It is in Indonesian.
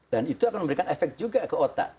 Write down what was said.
dan itu akan memberikan efek juga ke otak